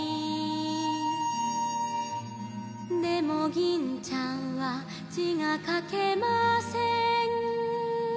「でも銀ちゃんは字が書けません」